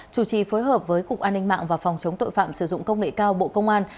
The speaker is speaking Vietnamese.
chủ trì phối hợp với cục an ninh mạng và phòng chống tội phạm sử dụng công nghệ cao bộ công an